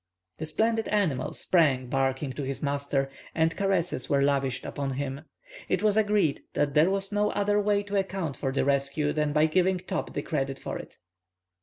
The splendid animal sprang, barking, to his master, and caresses were lavished upon him. It was agreed that there was no other way to account for the rescue than by giving Top the credit of it.